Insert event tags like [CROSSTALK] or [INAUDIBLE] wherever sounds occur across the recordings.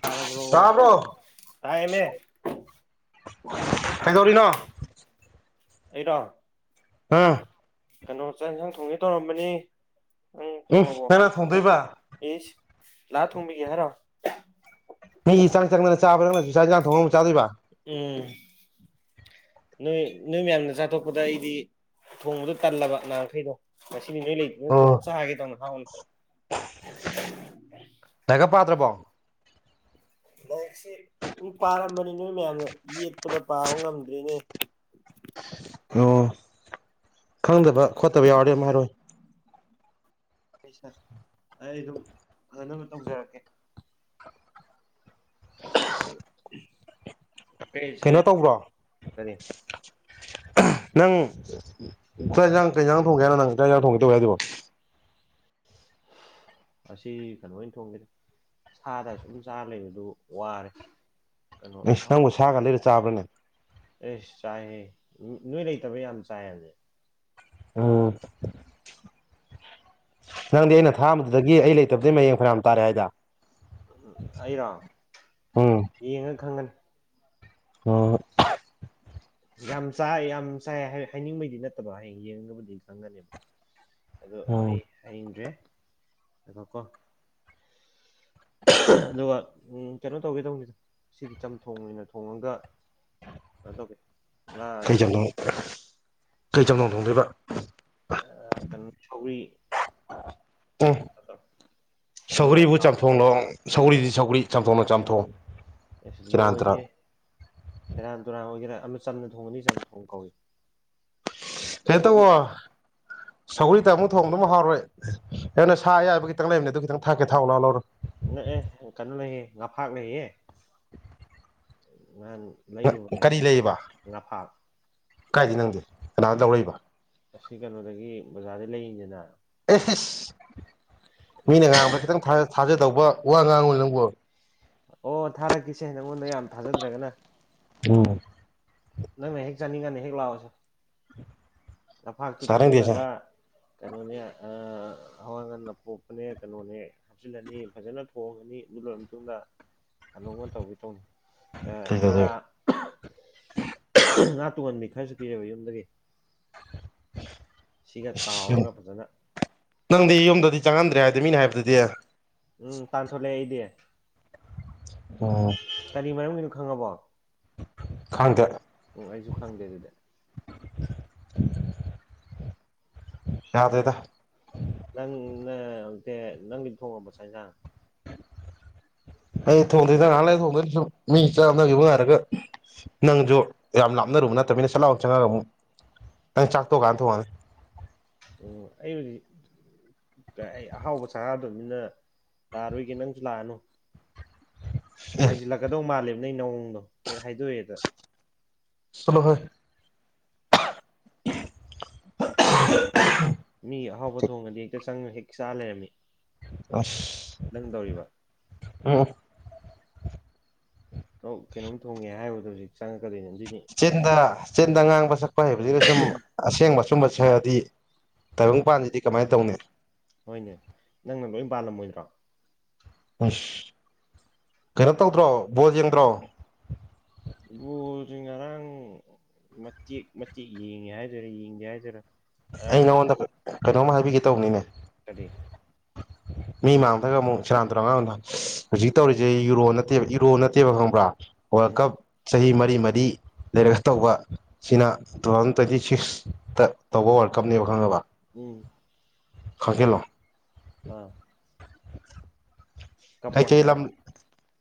ꯇꯥꯔꯕ꯭ꯔꯣ ꯇꯥꯕ꯭ꯔꯣ ꯇꯥꯏꯃꯦ ꯀꯩꯗꯧꯔꯤꯅꯣ ꯑꯩꯔꯣ ꯑꯥ ꯀꯩꯅꯣ ꯆꯥꯛ ꯏꯟꯁꯥꯡ ꯊꯣꯡꯒꯦ ꯇꯧꯔꯝꯕꯅꯤ ꯅꯪ ꯎꯝ ꯊꯣꯡꯉꯕꯣ ꯅꯪꯅ ꯊꯣꯡꯗꯣꯏꯕ ꯏꯁ ꯂꯥꯛꯑ ꯊꯣꯡꯕꯤꯒꯦ ꯍꯥꯏꯔꯣ ꯃꯤꯒꯤ ꯆꯪ ꯆꯪꯗꯅ ꯆꯥꯕ ꯅꯪꯅꯁꯨ ꯆꯥꯛ ꯏꯟꯖꯥꯡ ꯊꯣꯡꯉ ꯑꯃꯨꯛ ꯆꯥꯗꯣꯏꯕ ꯎꯝ ꯅꯣꯏ ꯅꯣꯏ ꯃꯌꯥꯝꯅ ꯆꯥꯊꯣꯛꯄꯗ ꯑꯩꯗꯤ ꯊꯣꯡꯕꯗꯣ ꯇꯜꯂꯕ ꯅꯍꯥꯟꯈꯩꯗꯣ ꯉꯁꯤꯗꯤ ꯅꯣꯏ ꯂꯩ ꯑꯣꯛ ꯑꯣ ꯊꯣꯡꯉ ꯆꯥꯒꯦ ꯇꯧꯅꯦ ꯍꯥꯎꯅ ꯂꯥꯏꯒ ꯄꯥꯗ꯭ꯔꯕꯣ ꯂꯥꯏꯔꯤꯛꯁꯦ ꯎꯝ ꯄꯥꯔꯝꯕꯅꯤ ꯅꯣꯏ ꯃꯌꯥꯝꯅ ꯌꯦꯠꯄꯗ ꯄꯥꯕ ꯉꯝꯗ꯭ꯔꯤꯅꯦ ꯑꯣ ꯈꯪꯗꯕ ꯈꯣꯠꯇꯕ ꯌꯥꯎꯔꯗꯤ ꯑꯧꯝ ꯍꯥꯏꯔꯣꯍꯦ ꯑꯩꯩꯁꯅ ꯑꯩ ꯑꯗꯨꯝ ꯐꯅꯕ ꯇꯧꯖꯔꯛꯀꯦ [UNINTELLIGIBLE] ꯀꯩꯅꯣ ꯀꯔꯤ ꯇꯧꯕ꯭ꯔꯣ ꯅꯪ ꯆꯥꯛ ꯑꯦꯟꯖꯥꯡ ꯀꯩ ꯖꯥꯡ ꯊꯣꯡꯒꯦ ꯍꯥꯏꯅꯣ ꯅꯪ ꯆꯥꯛ ꯑꯦꯟꯖꯥꯡ ꯊꯣꯡꯒꯦ ꯇꯧꯑꯦ ꯍꯥꯏꯗꯨꯕꯨ ꯉꯁꯤ ꯀꯩꯅꯣ ꯑꯣꯏ ꯊꯣꯡꯒꯦꯗ ꯁꯥꯗ ꯁꯨꯝ ꯆꯥꯔ ꯂꯩꯕꯗꯨ ꯋꯥꯔꯦ ꯀꯩꯅꯣ ꯏꯁ ꯅꯪꯕꯨ ꯁꯥꯒ ꯂꯩꯔ ꯆꯥꯕ꯭ꯔꯥꯅꯦ ꯑꯦꯁ ꯆꯥꯏꯍꯦ ꯅꯣ ꯅꯣꯏ ꯂꯩꯇꯕ ꯌꯥꯝ ꯆꯥꯏ ꯍꯧꯖꯤꯛ ꯑꯣ ꯅꯪꯗꯤ ꯑꯩꯅ ꯊꯥꯝꯕꯗꯨ__ ꯗꯒꯤ ꯑꯩ ꯂꯩꯇꯕꯩ ꯃꯌꯦꯡ ꯐꯔꯌꯥꯝ ꯇꯥꯔꯦ ꯍꯥꯏꯗ ꯎꯝ ꯑꯩꯔꯣ ꯎꯝ ꯌꯦꯡꯉ ꯈꯪꯒꯅꯤ ꯉꯣ ꯌꯥꯝ ꯆꯥꯏ ꯌꯥꯝ ꯆꯥꯏ ꯍꯥꯏ ꯍꯥꯏꯅꯤꯡꯕꯩꯗꯤ ꯅꯠꯇꯕ ꯍꯌꯦꯡ ꯌꯦꯡꯉꯒꯕꯨꯗꯤ ꯈꯪꯒꯅꯦꯕ ꯑꯗꯣ ꯎꯝ ꯑꯩ ꯍꯥꯏꯅꯤꯡꯗ꯭ꯔꯦ ꯉꯥꯏꯈꯣ ꯀꯣ ꯑꯗꯨꯒ ꯎꯝ ꯀꯩꯅꯣ ꯇꯧꯒꯦ ꯇꯧꯕꯅꯤꯗ ꯁꯤꯗꯤ ꯆꯝꯊꯣꯡ ꯑꯣꯏꯅ ꯊꯣꯡꯉꯒ ꯑ ꯇꯧꯒꯦ ꯉꯥꯁꯤ ꯀꯩꯆꯝꯊꯣꯡ ꯀꯩꯆꯝꯊꯣꯡ ꯊꯣꯡꯗꯣꯏꯕ ꯑꯥ ꯀꯩꯅꯣ ꯁꯧꯔꯤ ꯑꯦ ꯃꯣꯔ ꯁꯧꯔꯤꯕꯨ ꯂꯥꯎ ꯆꯥꯝꯊꯣꯡꯂꯣ ꯁꯧꯒ꯭ꯔꯤꯗꯤ ꯁꯧꯒ꯭ꯔꯤ ꯆꯥꯝꯊꯣꯛꯅ ꯆꯥꯝꯊꯣꯡ ꯑꯁ ꯂꯣꯏꯔꯦꯌꯦ ꯁꯦꯔꯥꯟ ꯇꯨꯔꯥꯟ ꯑꯣꯏꯒꯦꯔꯥ ꯑꯃ ꯆꯝꯅ ꯊꯣꯡꯉꯅꯤ ꯆꯝꯊꯣꯡ ꯀꯧꯏ ꯀꯩꯅ ꯁꯧꯒ꯭ꯔꯤ ꯇꯧꯋꯣ ꯁꯧꯒꯔꯤ ꯇ ꯑꯃꯨꯛ ꯊꯣꯡꯕꯗꯣ ꯍꯥꯎꯔꯣꯏ ꯑꯩꯅ ꯁꯥ ꯑꯌꯥꯏꯕ ꯈꯤꯇꯪ ꯂꯩꯕꯅꯤ ꯑꯗꯨ ꯈꯤꯇꯪ ꯊꯥꯛꯀꯦ ꯊꯥꯛꯎ ꯂꯥꯎ ꯂꯧꯔꯒ ꯉꯛꯑꯦ ꯀꯩꯅꯣ ꯂꯩꯌꯦ ꯉꯐꯥꯛ ꯂꯩꯌꯦ ꯉꯍꯥꯟ ꯂꯩꯔꯨꯕꯅꯦ ꯀꯔꯤ ꯂꯩꯌꯦꯕ ꯉꯐꯥꯛ ꯀꯥꯏꯗꯩ ꯅꯪꯗꯤ ꯀꯅꯥꯗ ꯂꯧꯔꯩꯕ ꯑꯁꯤ ꯀꯩꯅꯣꯗꯒꯤ ꯕꯖꯥꯔꯗꯩ ꯂꯩꯔꯤꯅꯤꯗꯅ ꯑꯦꯁ ꯏꯁꯁ ꯃꯤꯅ ꯉꯥꯡꯕꯗ ꯈꯤꯇꯪ ꯊꯥ ꯊꯥꯖꯗꯧꯕ ꯋꯥ ꯉꯥꯡꯉꯨ ꯅꯪꯕꯨ ꯑꯣ ꯊꯥꯔꯛꯀꯦꯁꯦ ꯅꯪꯉꯣꯟꯗ ꯌꯥꯝ ꯊꯥꯖꯗ꯭ꯔꯒꯅ ꯎꯝ ꯅꯪꯅ ꯍꯦꯛ ꯆꯥꯅꯤꯡꯉꯅꯥ ꯍꯦꯛ ꯂꯥꯛꯑꯣꯁꯦ ꯉꯐꯥꯛꯇꯨ ꯆꯥꯅꯤꯡꯗꯦ ꯁꯥꯔ ꯊꯥꯛꯆꯤꯜꯂꯒ ꯀꯩꯅꯣꯅꯦ ꯑꯥ ꯍꯋꯥ ꯉꯟ ꯑꯄꯣꯛꯄꯅꯦ ꯀꯩꯅꯣꯅꯦ ꯍꯥꯞꯆꯤꯜꯂꯅꯤ ꯐꯖꯅ ꯊꯣꯡꯉꯅꯤ ꯑꯗꯨ ꯂꯣꯏꯔ ꯃꯇꯨꯡꯗ ꯀꯅꯣꯝꯃ ꯇꯧꯒꯦ ꯇꯧꯅꯤ ꯑꯦ ꯉꯥ ꯀꯩꯗꯧꯗꯣꯏ ꯉꯥ ꯇꯨꯡꯍꯟꯕꯤ ꯈꯔꯁꯨ ꯄꯤꯔꯑꯦꯕ ꯌꯨꯝꯗꯒꯤ [UNINTELLIGIBLE] ꯁꯤꯒ ꯇꯥꯎꯔꯒ ꯐꯖꯅ ꯅꯪꯗꯤ ꯌꯨꯝꯗꯗꯤ ꯆꯪꯍꯟꯗ꯭ꯔꯦ ꯍꯥꯏꯗꯤ ꯃꯤꯅꯥ ꯍꯥꯏꯕꯗꯗꯤ ꯎꯝ ꯇꯥꯟꯊꯣꯛꯂꯦ ꯑꯩꯗꯤ ꯑꯣ ꯀꯔꯤ ꯃꯔꯝꯒꯤꯅꯣ ꯈꯪꯉꯕꯣ ꯈꯪꯗꯦ ꯑꯣ ꯑꯩꯖꯨ ꯈꯪꯗꯦ ꯑꯗꯨꯗꯤ ꯌꯥꯗꯦꯗ ꯅꯪꯅ [UNINTELLIGIBLE] ꯅꯪꯗꯤ ꯊꯣꯡꯉꯕꯣ ꯆꯥꯛ ꯏꯟꯖꯥꯟ ꯑꯩ ꯊꯣꯡꯗꯦꯗ ꯉꯥꯍꯥꯛ ꯂꯩꯔ ꯊꯣꯡꯗꯣꯏꯅꯦ ꯁꯨꯝ ꯃꯤ ꯆꯥꯝꯅꯈꯤꯕ ꯉꯥꯏꯔꯒ ꯅꯪꯁꯨ ꯌꯥꯝ ꯂꯥꯞꯅꯔꯨꯕ ꯅꯠꯇꯕꯅꯤꯅ ꯁꯠ ꯂꯥꯎ ꯆꯪꯉꯒ ꯑꯃꯨꯛ ꯅꯪ ꯆꯥꯛꯊꯣꯛꯀꯥꯟꯗ ꯊꯣꯡꯉꯅꯤ ꯑꯣ ꯑꯩꯕꯨꯗꯤ ꯑꯩ ꯑꯍꯥꯎꯕ ꯆꯥꯔꯗꯝꯅꯤꯅ ꯂꯥꯛꯑꯔꯣꯏꯒꯦ ꯅꯪꯁꯨ ꯂꯥꯛꯑꯅꯨ ꯑꯦ ꯍꯥꯏꯖꯤꯜꯂꯛꯀꯗꯧ ꯃꯥꯜꯂꯦꯕ ꯅꯪ ꯅꯑꯣꯡꯗꯣ ꯍꯦꯛ ꯍꯥꯏꯗꯣꯛꯑꯦꯗ ꯆꯠꯂꯣꯍꯦ [UNINTELLIGIBLE] ꯃꯤ ꯑꯍꯥꯎꯕ ꯊꯣꯡꯉꯗꯤ ꯍꯦꯛꯇ ꯆꯪ ꯍꯦꯛ ꯆꯥ ꯂꯩꯔꯝꯃꯤ ꯑꯁ ꯅꯪ ꯇꯧꯔꯤꯕ ꯎꯝ ꯁꯨꯝ ꯀꯩꯅꯣꯝ ꯊꯣꯡꯉꯦ ꯍꯥꯏꯔꯨꯕꯗ ꯍꯧꯖꯤꯛ ꯆꯪꯉꯛꯀꯗꯣꯏꯅꯦ ꯑꯗꯨꯏꯅꯤ ꯆꯤꯟꯗ ꯆꯤꯟꯗ ꯉꯥꯡꯕ ꯁꯛꯄ ꯍꯩꯕꯁꯤꯅ ꯁꯨꯝ ꯑꯁꯦꯡꯕ ꯑꯆꯨꯝꯕ ꯁꯛꯑꯗꯤ ꯇꯥꯏꯕꯪꯄꯥꯟꯁꯤꯗꯤ ꯀꯃꯥꯏ ꯇꯧꯅꯤ ꯍꯣꯏꯅꯦ ꯅꯪꯅ ꯂꯣꯏ ꯄꯥꯜꯂꯝꯃꯣꯏꯗ꯭ꯔꯣ ꯑꯁ ꯀꯩꯅꯣ ꯇꯧꯗ꯭ꯔꯣ ꯕꯣꯜ ꯌꯦꯡꯗ꯭ꯔꯣ ꯕꯣꯜꯖꯦ ꯉꯔꯥꯡ ꯃꯇꯦꯛ ꯃꯇꯦꯛ ꯌꯦꯡꯉꯦ ꯍꯥꯏꯗꯣꯏꯔꯥ ꯌꯦꯡꯗꯦ ꯍꯥꯏꯗꯣꯏꯔꯥ ꯑꯩ ꯉꯔꯥꯡ ꯅꯉꯣꯟꯗ ꯀꯩꯅꯣꯝ ꯍꯥꯏꯕꯤꯒꯦ ꯇꯧꯕꯅꯤꯅꯦ ꯀꯔꯤ ꯃꯤ ꯃꯥꯡꯗꯒ ꯑꯃꯨꯛ ꯁꯦꯔꯥꯟ ꯇꯨꯔꯟ ꯉꯥꯡꯒꯅꯨ ꯍꯧꯖꯤꯛ ꯇꯧꯔꯤꯁꯦ ꯌꯨꯔꯣ ꯅꯠꯇꯦꯕ ꯏꯔꯣ ꯅꯠꯇꯦꯕ ꯈꯪꯕ꯭ꯔꯥ ꯋꯔꯜ ꯎꯝ ꯀꯞ ꯎꯝ ꯆꯍꯤ ꯃꯔꯤ ꯃꯔꯤ ꯂꯩꯔꯒ ꯇꯧꯕ ꯁꯤꯅ ꯇꯨ ꯊꯥꯎꯖꯟ ꯇ꯭ꯋꯦꯟꯇꯤ ꯁꯤꯛꯁꯇ ꯇꯧꯕ ꯋꯔꯜꯀꯞꯅꯦꯕ ꯈꯪꯉꯕ ꯎꯝ ꯈꯪꯖꯤꯜꯂꯣ ꯑꯥ ꯀꯞꯄꯣ ꯀꯩꯀꯩ ꯂꯝ ꯍꯥꯏꯔꯕ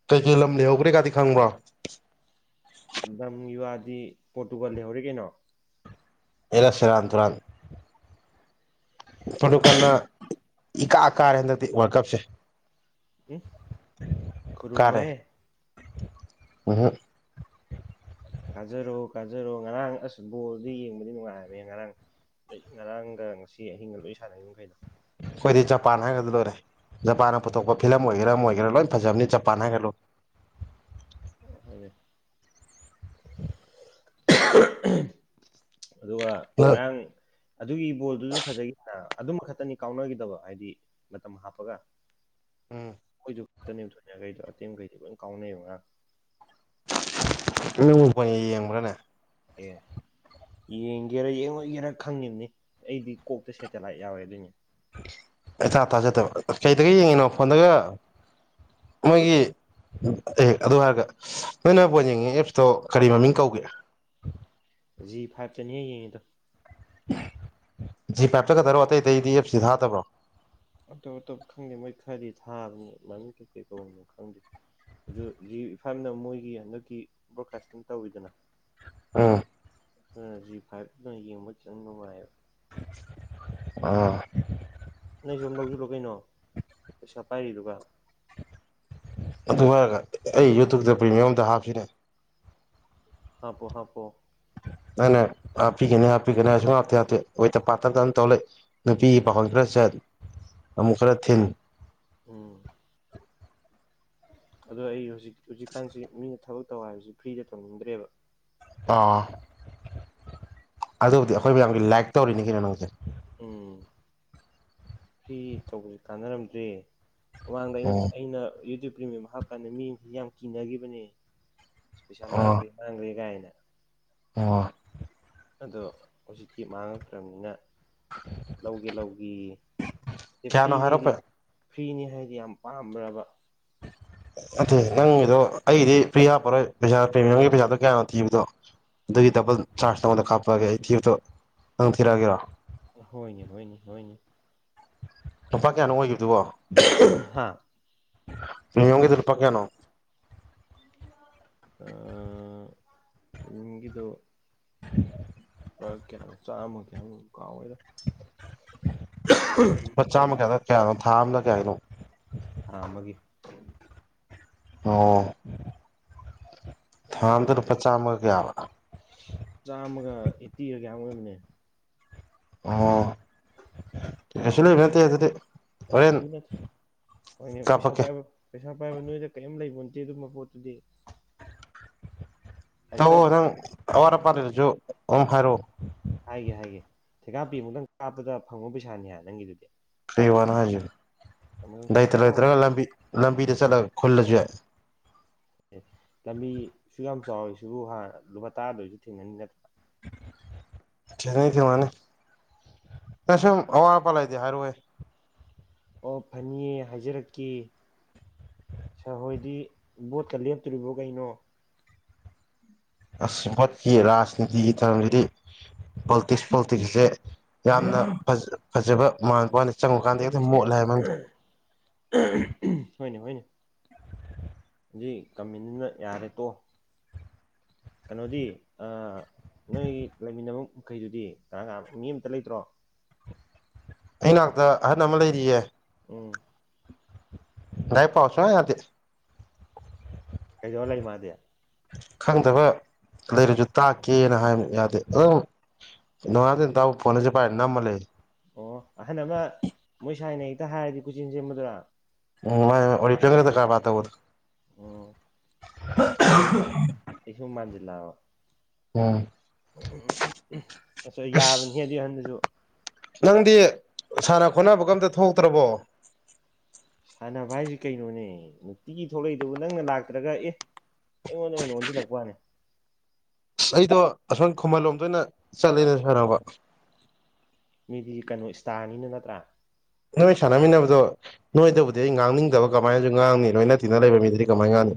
ꯀꯩꯀꯩ ꯂꯝ ꯂꯩꯍꯧꯒ꯭ꯔꯦ ꯒꯥꯗꯤ ꯈꯪꯕ꯭ꯔꯣ ꯂꯝꯒꯤ ꯋꯥꯗꯤ ꯄꯣꯔꯇꯨꯒꯜ ꯂꯩꯍꯧꯔꯤ ꯀꯩꯅꯣ ꯍꯦꯔꯥ ꯁꯦꯔꯥꯟ ꯇꯨꯔꯥꯟ ꯄꯣꯔꯇꯨꯀꯟꯅ ꯏꯀꯥ ꯀꯥꯔꯦ ꯍꯟꯗꯛꯇꯤ ꯋꯔꯜ ꯀꯞꯁꯦ ꯎꯝ ꯀꯥꯔꯦ ꯈꯨꯔꯨꯝꯃꯣꯍꯦ [UNINTELLIGIBLE] ꯀꯥꯖꯔꯣ ꯀꯥꯖꯔꯣ ꯉꯔꯥꯡ ꯑꯁ ꯕꯣꯜꯗꯤ ꯌꯦꯡꯕꯗꯤ ꯅꯨꯡꯉꯥꯏꯕꯅꯦ ꯉꯔꯥꯡ ꯉꯔꯥꯡꯒ ꯉꯁꯤ ꯑꯍꯤꯡꯒ ꯂꯣꯏ ꯁꯥꯟꯅꯩ ꯃꯈꯩꯗꯣ ꯑꯩꯈꯣꯏꯗꯤ ꯖꯄꯥꯟ ꯍꯥꯏꯒ꯭ꯔꯗꯤ ꯂꯣꯏꯔꯦ ꯖꯄꯥꯟꯅ ꯄꯨꯊꯣꯛꯄ ꯐꯤꯂꯝ ꯑꯣꯏꯒꯦꯔꯥ ꯑꯃ ꯑꯣꯏꯒꯦꯔꯥ ꯂꯣꯏꯅ ꯐꯖꯕꯅꯤ ꯖꯄꯥꯟ ꯍꯥꯏꯒ꯭ꯔ ꯂꯣꯏ ꯍꯣꯏꯅꯦ [UNINTELLIGIBLE] ꯑꯗꯨꯒ ꯉꯔꯥꯡ ꯑꯗꯨꯒꯤ ꯕꯣꯜꯗꯨꯁꯨ ꯐꯖꯈꯤꯗꯅ ꯑꯗꯨꯃ ꯈꯛꯇꯅꯤ ꯀꯥꯎꯅꯒꯤꯗꯕ ꯍꯥꯏꯗꯤ ꯃꯇꯝ ꯍꯥꯞꯄꯒ ꯎꯝ ꯃꯣꯏꯗꯨ ꯈꯛꯇꯅꯦꯕ ꯊꯣꯏꯅꯒ꯭ꯔꯤꯗꯣ ꯑꯇꯩꯒꯩꯗꯤ ꯂꯣꯏ ꯀꯥꯎꯅꯩꯕ ꯉꯔꯥꯡ ꯅꯪꯕꯨ ꯕꯣꯜ ꯌꯦꯡꯕ꯭ꯔꯥꯅꯦ ꯑꯦ ꯌꯦꯡꯒꯦꯔ ꯌꯦꯡꯉꯣꯏꯒꯦꯔ ꯈꯪꯉꯤꯅꯤ ꯑꯩꯗꯤ ꯀꯣꯛꯇ ꯁꯦꯇꯦꯂꯥꯏꯠ ꯌꯥꯎꯋꯦ ꯑꯗꯨꯏꯅꯦ ꯏꯊꯥ ꯊꯥꯖꯗꯕ ꯀꯩꯗꯒꯤ ꯌꯦꯡꯉꯤꯅꯣ ꯐꯣꯟꯗꯒ ꯃꯣꯏꯒꯤ ꯑꯦ ꯑꯗꯨ ꯍꯥꯏꯔꯒ ꯅꯣꯏꯅ ꯕꯣꯜ ꯌꯦꯡꯉꯤ ꯑꯦꯞꯁꯇꯣ ꯀꯔꯤ ꯃꯃꯤꯡ ꯀꯧꯒꯦ ꯖꯤ ꯐꯥꯏꯞꯇꯅꯦ ꯌꯦꯡꯉꯤꯗꯣ ꯖꯤ ꯐꯥꯏꯞꯇ ꯈꯛꯇꯔꯣ ꯑꯇꯩ ꯑꯇꯩꯗꯤ ꯑꯦꯞꯁꯇꯤ ꯊꯥꯗꯕ꯭ꯔꯣ ꯑꯇꯣꯞ ꯑꯇꯣꯞꯄ ꯈꯪꯗꯦ ꯃꯣꯏ ꯈꯔꯗꯤ ꯊꯥꯕꯅꯤ ꯃꯃꯤꯡ ꯀꯩ ꯀꯩ ꯀꯧꯕꯅꯣ ꯈꯪꯗꯦ ꯑꯗꯨ ꯖꯤ ꯐꯥꯏꯞꯅ ꯃꯣꯏꯒꯤ ꯍꯟꯗꯛꯀꯤ ꯕ꯭ꯔꯣꯠꯀꯥꯁꯇꯤꯡ ꯇꯧꯋꯤꯗꯅ ꯑꯥ ꯑ [UNINTELLIGIBLE] ꯖꯤ ꯐꯥꯏꯚꯅ ꯌꯦꯡꯕ ꯈꯤꯇꯪ ꯅꯨꯡꯉꯥꯏꯌꯦꯕ ꯑꯥ ꯅꯣꯏꯁꯨ ꯑꯃ ꯂꯧꯁꯤꯜꯂꯣ ꯀꯩꯅꯣ ꯄꯩꯁꯥ ꯄꯥꯏꯔꯤꯗꯨꯒ ꯑꯗꯨ ꯍꯥꯏꯔꯒ ꯑꯩ ꯌꯨꯇ꯭ꯌꯨꯕꯇ ꯄ꯭ꯔꯤꯃꯤꯌꯝ ꯑꯝꯇ ꯍꯥꯞꯁꯤꯅꯦ ꯍꯥꯞꯄꯣ ꯍꯥꯞꯄꯣ ꯅꯪꯅꯥ ꯍꯥꯞꯄꯤꯒꯅꯤ ꯍꯥꯞꯄꯤꯒꯅꯤ ꯍꯥꯏ ꯁꯨꯝꯍꯥꯞꯇꯤ ꯍꯥꯞꯇꯦ ꯑꯣꯏꯇ ꯄꯥꯠꯇꯕꯇ ꯑꯗꯨꯝ ꯇꯧ ꯂꯩ ꯅꯨꯄꯤꯒꯤ ꯄꯥꯈꯣꯟ ꯈꯔ ꯆꯠ ꯑꯃꯨꯛ ꯈꯔ ꯊꯤꯟ ꯎꯨꯝ ꯑꯗꯣ ꯑꯩ ꯍꯧꯖꯤꯛ ꯍꯧꯖꯤꯛꯀꯥꯟꯁꯤ ꯃꯤꯅ ꯊꯕꯛ ꯇꯧ ꯍꯥꯏꯕꯁꯤ ꯐ꯭ꯔꯤꯗ ꯇꯧꯅꯤꯡꯗ꯭ꯔꯦꯕ ꯑꯥ ꯑꯗꯨꯕꯨꯗꯤ ꯑꯩꯈꯣꯏ ꯃꯌꯥꯝꯒꯤ ꯂꯥꯏꯛ ꯇꯧꯔꯤꯅꯤ ꯀꯩꯅꯣ ꯅꯪꯁꯦ ꯎꯨꯝ ꯐ꯭ꯔꯤ ꯇꯧꯕꯁꯤ ꯀꯥꯟꯅꯔꯝꯗ꯭ꯔꯦ ꯃꯃꯥꯡꯗ ꯑꯩꯅ ꯑꯣ ꯑꯩꯅ ꯌꯨ ꯇ꯭ꯌꯨꯕ ꯄ꯭ꯔꯤꯃꯤꯌꯝ ꯍꯥꯞꯄꯀꯥꯟꯗ ꯃꯤꯁꯤꯡꯖꯤ ꯌꯥꯝ ꯀꯤꯅꯈꯤꯕꯅꯦ ꯄꯩꯁꯥ ꯑꯣ ꯃꯥꯡꯒ꯭ꯔꯦ ꯃꯥꯡꯒ꯭ꯔꯦ ꯀꯥꯏꯅ ꯑꯣ ꯑꯗꯣ ꯍꯧꯖꯤꯛꯇꯤ ꯃꯥꯡꯉꯈ꯭ꯔꯕꯅꯤꯅ ꯂꯧꯒꯦ ꯂꯧꯒꯦꯌꯦ ꯁꯤ ꯀꯌꯥꯅꯣ ꯐ꯭ꯔꯤꯅꯦ ꯑꯩꯗꯤ ꯍꯥꯏꯔꯛꯄ ꯐ꯭ꯔꯤꯅꯤ ꯍꯥꯏꯗꯤ ꯌꯥꯝ ꯄꯥꯝꯕ꯭ꯔꯕ ꯑꯦ ꯅꯪꯒꯤꯗꯣ ꯑꯩꯒꯤꯗꯤ ꯐ꯭ꯔꯤ ꯍꯥꯞꯄꯔꯣꯏ ꯄꯩꯁꯥ ꯄ꯭ꯔꯤꯃꯤꯌꯝꯒꯤ ꯄꯩꯁꯥꯗꯣ ꯀꯌꯥꯅꯣ ꯊꯤꯕꯗꯣ ꯑꯗꯨꯒꯤ ꯗꯕꯜ ꯆꯥꯔꯖ ꯅꯉꯣꯟꯗ ꯀꯥꯞꯄꯑꯒꯦ ꯑꯩ ꯊꯤꯕꯇꯣ ꯅꯪ ꯊꯤꯔꯛꯑꯒꯦꯔꯣ ꯍꯣꯏꯅꯦ ꯍꯣꯏꯅꯦ ꯍꯣꯏꯅꯦ ꯂꯨꯄꯥ ꯀꯌꯥꯅꯣ ꯑꯣꯏꯈꯤꯕꯗꯨꯕꯣ ꯑꯍꯨ ꯍꯥꯥ ꯄ꯭ꯔꯤꯃꯤꯌꯝꯒꯤꯗꯣ ꯂꯨꯄꯥ ꯀꯌꯥꯅꯣ ꯑꯥ ꯄꯤꯃꯤꯌꯝꯒꯤꯗꯣ [INAUDIBLE] ꯂꯨꯄꯥ ꯀꯌꯥꯅꯣ ꯆꯥꯝꯃ ꯀꯌꯥꯅꯣꯝ ꯑꯣꯏꯕꯅꯤ ꯀꯥꯎꯒ꯭ꯔꯦꯗ ꯄꯥ ꯆꯥꯝꯃ ꯀꯌꯥꯗ ꯀꯌꯥꯅꯣ ꯊꯥ ꯑꯃꯗ ꯀꯌꯥꯒꯤꯅꯣ ꯊꯥ ꯑꯃꯒꯤ ꯑꯣ ꯊꯥ ꯑꯝꯗꯣ ꯂꯨꯄꯥ ꯆꯥꯝꯃꯒ ꯀꯌꯥꯕ ꯆꯥꯝꯃꯒ ꯑꯦꯠꯇꯤꯔ ꯀꯌꯥꯅꯣꯝ ꯑꯣꯏꯕꯅꯦ ꯑꯣ ꯀꯩꯁꯨ ꯂꯩꯕꯟꯇꯦ ꯑꯗꯨꯗꯤ ꯍꯣꯔꯦꯟ [UNINTELLIGIBLE] ꯍꯣꯏꯅꯦ ꯄꯩꯁꯥ ꯀꯥꯞꯄꯛꯀꯦ ꯄꯥꯏꯕ ꯄꯩꯁꯥ ꯄꯥꯏꯕ ꯅꯣꯏꯗ ꯀꯔꯤꯝ ꯂꯩꯕ ꯅꯠꯇꯦ ꯑꯗꯨꯝꯕ ꯄꯣꯠꯇꯨꯗꯤ ꯍꯦꯛꯇ ꯇꯧꯑꯣ ꯅꯪ ꯑꯋꯥꯠ ꯑꯄꯥ ꯂꯩꯔꯁꯨ ꯑꯗꯨꯝ ꯍꯥꯏꯔꯛꯑꯣ ꯍꯥꯏꯒꯦ ꯍꯥꯏꯒꯦ ꯊꯦꯀꯥꯞꯄꯤꯃꯨꯛꯇꯪ ꯀꯥꯞꯄꯗ ꯐꯪꯕ ꯄꯩꯁꯥꯅꯤ ꯍꯥ ꯅꯪꯒꯤꯗꯨꯗꯤ ꯐ꯭ꯔꯤ ꯋꯥꯅꯣ ꯍꯥꯏꯁꯤ ꯑꯃꯨꯛꯇꯪ ꯂꯩꯇ ꯁꯦꯠ ꯂꯥꯎ ꯂꯩꯇ꯭ꯔꯒ ꯂꯝꯕꯤ ꯂꯝꯕꯤꯗ ꯆꯠꯂꯒ ꯈꯨꯜꯂꯁꯨ ꯌꯥꯏ ꯑꯦ ꯂꯝꯕꯤ ꯁꯨ ꯌꯥꯝ ꯆꯥꯎꯋꯤꯁꯤꯕꯨ ꯍꯥ ꯂꯨꯄꯥ ꯇꯔꯥꯗꯣꯏꯁꯨ ꯊꯦꯡꯅꯅꯤ ꯅꯠ ꯊꯦꯡꯅꯅꯤ ꯊꯦꯡꯅꯅꯤ ꯅꯪ ꯁꯨꯝ ꯑꯋꯥ ꯑꯄꯥ ꯂꯩꯔꯗꯤ ꯍꯥꯏꯔꯛꯑꯣꯍꯦ ꯑꯣ ꯐꯅꯤꯌꯦ ꯍꯥꯏꯖꯔꯛꯀꯦ ꯁꯥꯔ ꯍꯣꯏꯗꯤ ꯕꯣꯠꯀ ꯂꯦꯞꯇꯣꯔꯤꯕꯣ ꯀꯩꯅꯣ꯫ ꯑꯁ ꯄꯣꯠꯀꯤ ꯔꯥꯖꯅꯤꯇꯤꯒꯤ ꯊꯧꯔꯝꯁꯤꯗꯤ ꯄꯣꯜꯇꯤꯛꯁ ꯄꯣꯜꯇꯤꯛꯁꯁꯦ ꯌꯥꯝꯅ ꯐ ꯐꯖꯕ ꯃꯃꯥꯟꯕꯅꯤ ꯆꯪꯉꯨ ꯀꯥꯟꯗꯗꯤ ꯍꯦꯛꯇ ꯃꯣꯠꯂꯦ ꯍꯥꯏꯕ ꯃꯅꯨꯡꯗ꯫ ꯍꯣꯏꯅꯦ ꯍꯣꯏꯅꯦ ꯁꯤ ꯀꯝꯃꯤꯟ ꯑꯃꯥ ꯌꯥꯔꯦꯇꯣ꯫ ꯀꯩꯅꯣꯗꯤ ꯑꯥ ꯅꯣꯏ ꯂꯩꯃꯤꯟꯅꯕ ꯃꯈꯩꯗꯨꯗꯤ ꯀꯅꯥ ꯀꯅꯥ ꯃꯤ ꯑꯃꯇ ꯂꯩꯇ꯭ꯔꯣ꯫ ꯑꯩ ꯉꯥꯛꯇ ꯑꯍꯟ ꯑꯃ ꯂꯩꯔꯤꯌꯦ꯫ ꯎꯝ ꯂꯥꯏꯔꯤꯛ ꯄꯥꯎ ꯁꯨꯡꯌꯥ ꯌꯗꯦ ꯀꯩꯗꯧ ꯂꯩ ꯃꯥꯗꯤ꯫ ꯈꯪꯗꯕ ꯂꯩꯔꯁꯨ ꯇꯥꯛꯀꯦꯅ ꯍꯥꯏꯕ ꯌꯥꯗꯦ ꯑꯗꯨꯝ꯫ ꯅꯣꯡꯉꯥꯕꯗꯩ ꯅꯨꯃꯤꯠꯇꯐꯧ ꯐꯣꯟꯅꯁꯤ ꯄꯥꯏꯔ ꯅꯝ ꯂꯩ꯫ ꯑꯣ ꯑꯍꯟ ꯑꯃ ꯃꯣꯏ ꯁꯥꯏꯅ ꯍꯦꯛꯇ ꯍꯥꯏꯔꯗꯤ ꯀꯣꯏꯆꯦꯟ ꯁꯦꯝꯕꯗꯨꯔ꯫ ꯎ ꯃꯥꯟꯅꯩ ꯑꯣꯔꯤꯐꯦꯝꯗ꯭ꯔ ꯀꯔꯕꯥꯔ ꯇꯧꯕꯗꯣ꯫ ꯎꯝ ꯑꯩꯁꯨ ꯑꯩꯁꯨꯝ ꯃꯥꯟꯖꯤꯂꯥꯛꯑꯕ꯫ ꯎꯝ ꯑꯁ ꯌꯥꯕꯅꯤ ꯑꯗꯨ ꯍꯟꯗꯁꯨ꯫ ꯅꯪꯗꯤ ꯁꯥꯟꯅ ꯈꯣꯠꯅꯕꯒ ꯑꯃꯇ ꯊꯣꯛꯇ꯭ꯔꯕꯣ꯫ ꯁꯥꯟꯅꯕ ꯍꯥꯏꯁꯤ ꯀꯩꯅꯣꯅꯦ ꯅꯨꯡꯇꯤꯒꯤ ꯊꯣꯛꯂꯛꯏꯗꯨꯕꯨ ꯅꯪꯅ ꯂꯥꯛꯇ꯭ꯔꯒ ꯑꯦ꯫ ꯑꯩꯉꯣꯟꯗ ꯑꯣꯏꯅ ꯑꯣꯟꯁꯤꯜꯂꯛꯄꯅꯦ ꯑꯩꯗꯣ ꯑꯁꯝ ꯈꯨꯃꯟ ꯂꯣꯝꯗ ꯑꯣꯏꯅ ꯆꯠꯂꯦꯗ ꯁꯥꯟꯅꯕ꯫ ꯃꯤꯗꯤ ꯀꯩꯅꯣ ꯏꯁꯇꯥꯔꯅꯤꯅ ꯅꯠꯇ꯭ꯔꯥ꯫ ꯅꯣꯏ ꯁꯥꯟꯅꯃꯤꯟꯅꯕꯗꯣ ꯅꯣꯏꯗꯕꯨꯗꯤ ꯑꯩ ꯉꯥꯡꯅꯤꯡꯗꯕ ꯀꯃꯥꯏꯅꯁꯨ ꯉꯥꯡꯅꯤ ꯂꯣꯏꯅ ꯇꯤꯟꯅ ꯂꯩꯕ ꯃꯤꯗꯗꯤ ꯀꯃꯥꯏ ꯉꯥꯡꯅꯤ꯫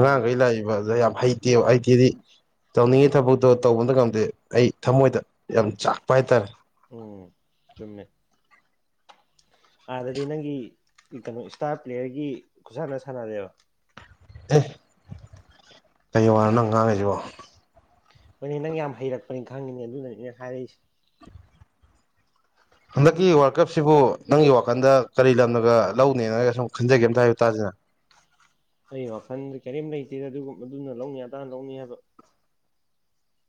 ꯃꯥꯅꯤ ꯂꯥꯛꯏꯕ ꯌꯥꯝ ꯍꯩꯇꯦ ꯍꯩꯇꯦꯗꯤ ꯇꯧꯅꯤꯡꯉꯤ ꯊꯕꯛꯇꯣ ꯇꯧꯕꯗ ꯉꯝꯗꯦ ꯑꯩ ꯊꯃꯣꯏꯗ ꯌꯥꯝ ꯆꯥꯛꯄ ꯍꯥꯏꯇꯥꯔꯦ꯫ ꯎꯝ ꯆꯨꯝꯃꯦ ꯑꯗꯗꯤ ꯅꯪꯒꯤ ꯀꯩꯅꯣ ꯏꯁꯇꯥꯔ ꯄ꯭ꯂꯦꯌꯔꯒꯤ ꯈꯨꯁꯥꯟꯅ ꯁꯥꯟꯅꯔꯦꯕ꯫ ꯑꯦ ꯀꯩ ꯋꯥꯅꯣ ꯅꯪ ꯉꯥꯡꯉꯤꯁꯤꯕꯣ꯫ ꯍꯣꯏꯅꯦ ꯅꯪ ꯌꯥꯝ ꯍꯩꯔꯛꯄꯅꯤ ꯈꯪꯉꯤꯅꯦ ꯑꯗꯨꯅꯅꯦ ꯍꯥꯏꯔꯛꯏꯁꯦ꯫ ꯍꯟꯗꯛꯀꯤ ꯋꯥꯔꯜ ꯀꯞꯁꯤꯕꯨ ꯅꯪꯒꯤ ꯋꯥꯈꯜꯗ ꯀꯔꯤ ꯂꯝꯅꯒ ꯂꯧꯅꯦꯅꯒ ꯁꯨꯝ ꯈꯟꯖꯒꯦ ꯑꯝꯇ ꯍꯥꯏꯌꯨ ꯇꯥꯁꯤꯗꯅ꯫ ꯑꯩ ꯋꯥꯈꯟꯗꯤ ꯀꯔꯤꯝ ꯂꯩꯇꯦꯗ ꯑꯗꯨꯒꯨꯝ ꯑꯗꯨꯅ ꯂꯧꯅꯤ ꯑꯗꯥꯅ ꯂꯧꯅꯤ ꯍꯥꯏꯕ꯫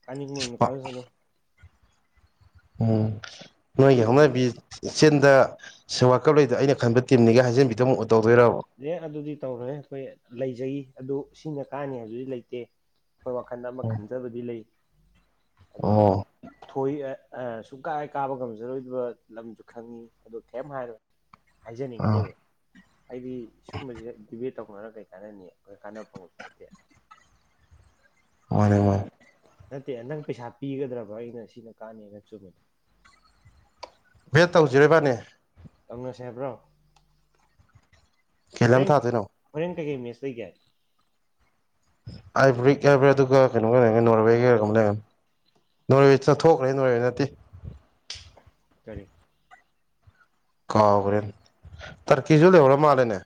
ꯀꯅꯤꯡꯕ ꯑꯃ ꯀꯥꯖꯁꯅꯣ꯫ ꯎꯝ ꯅꯣꯏꯒꯤ ꯅꯠꯇꯦꯕ ꯍꯧꯅꯕꯤ ꯆꯤꯟꯗ ꯁ ꯋꯥꯔꯀꯞ ꯂꯩꯗ ꯑꯩꯅ ꯈꯟꯕ ꯇꯤꯝꯅꯤꯒ ꯍꯥꯏꯖꯟꯕꯤꯗꯨ ꯑꯃꯨꯛ ꯇꯧꯗꯣꯏꯔꯕ꯫ ꯑꯦ ꯑꯗꯨꯗꯤ ꯇꯧꯔꯣꯏ ꯑꯩꯈꯣꯏ ꯂꯩꯖꯩ ꯑꯗꯨ ꯁꯤꯅ ꯀꯥꯟꯅꯤ ꯍꯥꯏꯕꯗꯨꯗꯤ ꯂꯩꯇꯦ꯫ ꯑꯩꯈꯣꯏ ꯋꯥꯈꯜꯗ ꯑꯃ ꯈꯟꯖꯕꯗꯤ ꯂꯩ ꯑꯗꯨ꯫ ꯑꯣ ꯊꯣꯏ ꯁꯨꯡꯀꯥꯏ ꯀꯥꯕ ꯉꯝꯖꯔꯣꯏꯗꯕ ꯂꯝꯁꯨ ꯈꯪꯉꯤ ꯑꯗꯣ ꯀꯩꯝ ꯍꯥꯏꯔꯣꯏ꯫ ꯑꯥ ꯍꯥꯏꯖꯅꯤꯡꯗꯦꯕ꯫ ꯑꯩꯗꯤ ꯁꯒꯨꯝꯕꯁꯤꯗ ꯗꯤꯕꯦꯠ ꯇꯧꯅꯔꯒ ꯀꯩ ꯀꯥꯟꯅꯅꯤ ꯑꯩꯈꯣꯏ ꯀꯥꯟꯅꯕꯐꯝ ꯅꯠꯇꯦ꯫ [INAUDIBLE] ꯃꯥꯟꯅꯦ ꯃꯥꯟꯅꯦ ꯅꯠꯇꯦ ꯅꯪ ꯄꯩꯁꯥ ꯄꯤꯒꯗ꯭ꯔꯕ꯭ꯔꯥ ꯑꯩꯅ ꯁꯤꯅ ꯀꯥꯟꯅꯅ ꯆꯨꯝꯃꯦ꯫ ꯚꯦꯠ ꯇꯧꯖꯤꯔꯥ ꯏꯕꯥꯟꯅꯤ꯫ ꯇꯧꯅꯁꯦ ꯍꯥꯏꯕ꯭ꯔꯣ ꯀꯩꯂꯝ ꯍꯣꯔꯦꯟ ꯊꯥꯗꯣꯏꯅꯣ ꯍꯣꯔꯦꯟ ꯀꯩꯀꯩ ꯃꯦꯁ ꯂꯩꯒꯦ꯫ [UNINTELLIGIBLE] ꯑꯗꯨꯒ ꯀꯩꯅꯣꯒ ꯂꯩꯔꯝꯒꯅꯤ ꯅꯣꯔꯋꯦꯒ [UNINTELLIGIBLE] ꯅꯔꯣꯏꯋꯦ ꯆꯠ ꯊꯣꯛꯈ꯭ꯔꯦ ꯅꯣꯔꯋꯦ ꯅꯠꯇꯦ ꯀꯔꯤ ꯀꯥꯎꯒ꯭ꯔꯦ ꯇꯔꯀꯤꯁꯨ ꯂꯩꯍꯧꯔ ꯃꯥꯂꯦꯅꯦ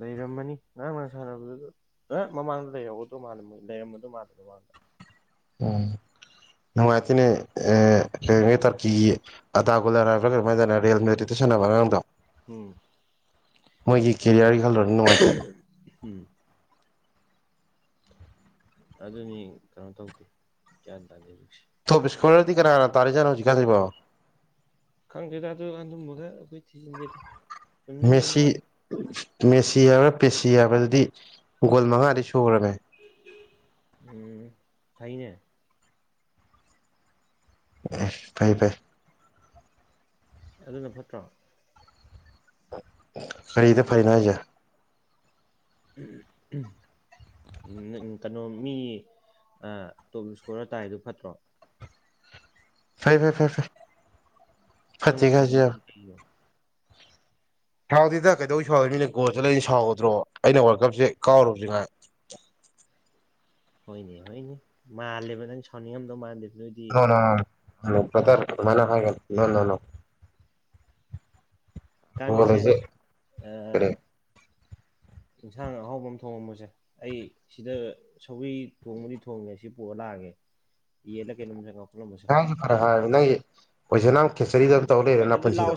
ꯂꯩꯔꯝꯃꯅꯤ ꯉꯔꯥꯡ ꯅꯍꯥꯟ ꯁꯥꯟꯅꯕꯗꯨꯗ ꯑꯦ ꯃꯃꯥꯡꯗ ꯂꯩꯍꯧꯕꯗꯣ ꯃꯥꯜꯂꯦ ꯃꯣꯏ ꯂꯩꯔꯝꯕꯗꯣ ꯃꯥꯜꯂꯦꯗ ꯃꯃꯥꯡꯗ ꯎꯝ ꯅꯨꯡꯉꯥꯏꯇꯦꯅꯦ ꯑꯦ [UNINTELLIGIBLE] ꯇꯔꯀꯤ ꯑꯗꯥꯒꯨꯂꯔ ꯍꯥꯏꯕ꯭ꯔꯥ ꯀꯩꯅꯣꯃ ꯍꯥꯏꯗꯥꯏꯅꯦ ꯔꯤꯌꯦꯜ ꯃꯦꯗ꯭ꯔꯤꯠꯇ ꯁꯥꯟꯅꯕ ꯑꯉꯥꯡꯗꯣ ꯎꯝ ꯃꯣꯏꯒꯤ ꯀꯦꯔꯤꯌꯔꯒꯤ ꯈꯜꯂꯨꯔꯗꯤ ꯅꯨꯡꯉꯥꯏꯇꯦ ꯎꯝ ꯑꯗꯨꯅꯤ ꯀꯩꯅꯣ ꯇꯧꯗꯦ ꯒ꯭ꯌꯥꯟ ꯇꯥꯗꯦ ꯍꯧꯖꯤꯛꯁꯦ ꯇꯣꯕ ꯏꯁꯀꯣꯔꯔꯗꯤ ꯀꯅꯥꯅ ꯇꯥꯔꯤꯖꯥꯠꯅꯣ ꯍꯧꯖꯤꯛꯀꯥꯟꯁꯤꯕꯣ ꯈꯪꯗꯦꯗ ꯑꯗꯨ ꯑꯗꯨꯝꯕꯒ ꯑꯩꯈꯣꯏ ꯊꯤꯖꯤꯟꯗꯦꯗ ꯆꯨꯝꯗ꯭ꯔꯤꯡ ꯌꯦꯡꯕ ꯃꯦꯁꯤ ꯋꯥꯅꯤ ꯃꯦꯁꯤ ꯍꯥꯏꯕ꯭ꯔꯥ ꯄꯦꯁꯤ ꯍꯥꯏꯕ꯭ꯔ ꯑꯗꯨꯗꯤ ꯒꯣꯜ ꯃꯉꯥꯗꯤ ꯁꯨꯈ꯭ꯔꯕꯅꯦ ꯎꯝ ꯐꯩꯅꯦ ꯑꯦꯁ ꯐꯩ ꯐꯩ ꯑꯗꯨꯅ ꯐꯠꯇ꯭ꯔꯣ ꯀꯔꯤꯗ ꯐꯩꯅꯣ ꯍꯥꯏꯁꯦ ꯎꯝ ꯎꯝ ꯀꯩꯅꯣ ꯃꯤ ꯑ ꯇꯣꯞ ꯏꯁꯀꯣꯔꯔ ꯇꯥꯏꯗꯨ ꯐꯠꯇ꯭ꯔꯣ ꯐꯩ ꯐꯩ ꯐꯩ ꯐꯩ ꯅꯪꯅ ꯐꯠꯇꯦꯒ ꯍꯥꯏꯁꯨ ꯌꯥꯕ ꯁꯥꯎꯅꯤꯡꯉꯤꯗꯨꯅ ꯀꯩꯒꯤꯅꯣ ꯁꯥꯎꯗꯦꯗ ꯀꯩꯗꯧ ꯁꯥꯎꯗꯣꯏꯅꯣ ꯃꯤꯅ ꯒꯣꯜ ꯆꯜꯂ ꯑꯩꯅ ꯁꯥꯎꯒꯗ꯭ꯔꯣ ꯑꯩꯅ ꯋꯥꯔꯜ ꯀꯞꯁꯦ ꯀꯥꯎꯔꯨꯕꯁꯦ ꯉꯥꯏ ꯍꯣꯏꯅꯦ ꯍꯣꯏꯅꯦ ꯃꯥꯜꯂꯦꯕ ꯅꯪ ꯁꯥꯎꯅꯤꯡꯉꯝꯗꯧ ꯃꯥꯟꯗꯦꯕ ꯅꯣꯏꯗꯤ ꯑꯥ [UNINTELLIGIBLE] ꯒꯣꯜ ꯀꯥꯟꯗꯦꯁꯦ ꯑꯁꯦ ꯑ ꯀꯔꯤ ꯏꯟꯁꯥꯡ ꯑꯍꯥꯎꯕ ꯑꯃ ꯊꯣꯡꯉꯝꯃꯣꯁꯦ ꯑꯩ ꯁꯤꯗ ꯁꯧꯒ꯭ꯔꯤ ꯊꯣꯡꯕꯨꯗꯤ ꯊꯣꯡꯉꯦ ꯁꯤ ꯄꯨꯔ ꯂꯥꯛꯑꯒꯦ ꯑꯩ ꯌꯦꯟꯂ ꯀꯩꯅꯣꯝ [UNINTELLIGIBLE] [UNINTELLIGIBLE] ꯅꯪꯒꯤ ꯑꯣꯏꯖꯅꯥꯝ [UNINTELLIGIBLE] ꯇꯧꯔ ꯂꯩꯔꯣ ꯅꯄꯨꯟꯁꯤꯗꯣ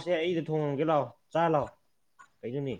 ꯊꯣꯡꯉꯒꯦ ꯂꯥꯛꯑꯣ ꯆꯥ ꯂꯥꯛꯑꯣ ꯀꯩꯩꯅꯣꯅꯦ